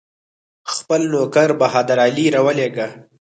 خپل نوکر بهادر علي راولېږه.